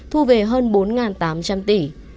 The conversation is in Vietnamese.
thu về hơn bốn tám trăm linh tỷ